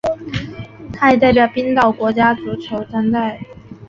他也代表冰岛国家足球队参赛。